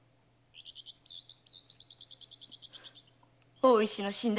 大石が死んだ